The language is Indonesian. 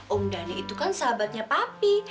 om dhani itu kan sahabatnya papi